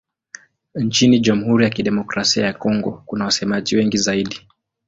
Nchini Jamhuri ya Kidemokrasia ya Kongo kuna wasemaji wengi zaidi.